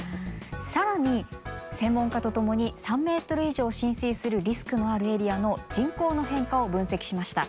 更に専門家と共に３ｍ以上浸水するリスクのあるエリアの人口の変化を分析しました。